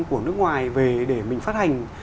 của nước ngoài về để mình phát hành